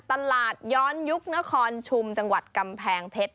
ตลาดย้อนยุคนครชุมจังหวัดกำแพงเพชร